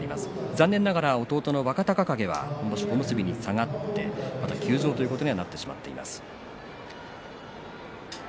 残念ながら弟の若隆景は今場所小結に下がって休場ということになっています。